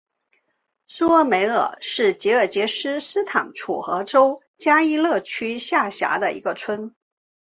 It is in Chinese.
苏萨梅尔是吉尔吉斯斯坦楚河州加依勒区下辖的一个村。